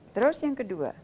terus yang kedua